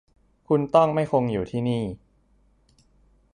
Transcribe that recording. คุณต้องไม่คงอยู่ที่นี่